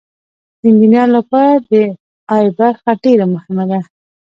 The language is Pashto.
د انجینر لپاره د ای برخه ډیره مهمه ده.